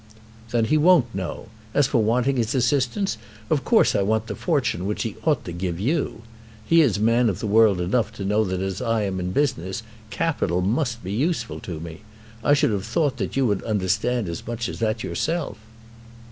"Then he won't know. As for wanting his assistance, of course I want the fortune which he ought to give you. He is man of the world enough to know that as I am in business capital must be useful to me. I should have thought that you would understand as much as that yourself."